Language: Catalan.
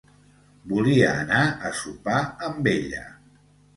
Volia anar a sopar amb ella.